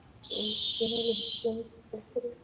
دا ژورنال اوږدې څیړنیزې مقالې خپروي.